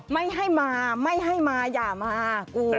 ไม่ให้มาไม่ให้มาอย่ามากู